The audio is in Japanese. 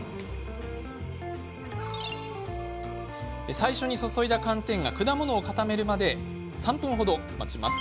最初に注いだ寒天が果物を固めるまで３分程待ちます。